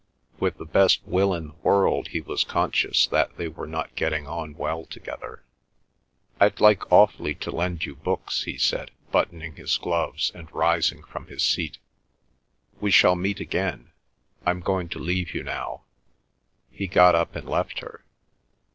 With the best will in the world he was conscious that they were not getting on well together. "I'd like awfully to lend you books," he said, buttoning his gloves, and rising from his seat. "We shall meet again. I'm going to leave you now." He got up and left her.